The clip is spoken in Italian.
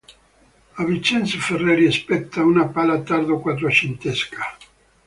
A Vincenzo Ferreri spetta una pala tardo-quattrocentesca.